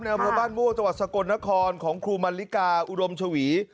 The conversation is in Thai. ในอำเภาบ้านม่วงตรสกลนครของครูมัลลิกาอุดมชาวี